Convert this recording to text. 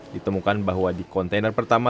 ditemukan bahwa di kontainer pertama